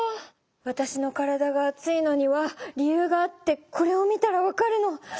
わたしの体があついのには理由があってこれを見たら分かるの！